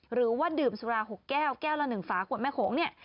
หรือว่าดื่มสุรา๖แก้วแก้วละ๑ฝาขวดแม่โขงเนี่ย